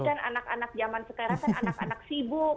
kan anak anak zaman sekarang kan anak anak sibuk